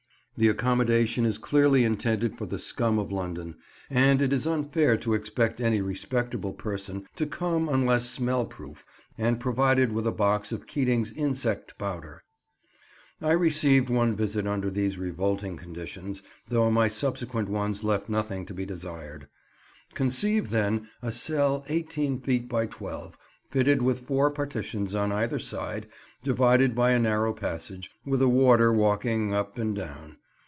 The accommodation is clearly intended for the scum of London, and it is unfair to expect any respectable person to come unless smell proof and provided with a box of Keating's insect powder. I received one visit under these revolting conditions, though my subsequent ones left nothing to be desired. Conceive, then, a cell eighteen feet by twelve, fitted with four partitions on either side, divided by a narrow passage, with a warder walking up and down.